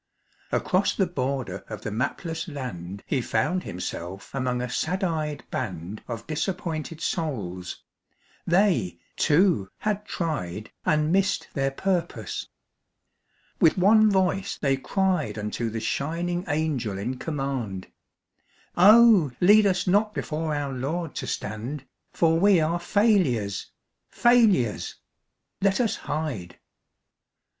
Across the border of the mapless land He found himself among a sad eyed band Of disappointed souls; they, too, had tried And missed their purpose. With one voice they cried Unto the shining Angel in command: 'Oh, lead us not before our Lord to stand, For we are failures, failures! Let us hide.